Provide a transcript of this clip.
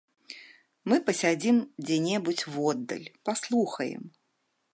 Мы пасядзім дзе-небудзь воддаль, паслухаем.